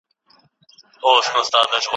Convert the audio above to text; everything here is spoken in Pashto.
لکه اسمان چي له ملیاره سره لوبي کوي